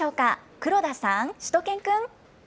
黒田さん、しゅと犬くん。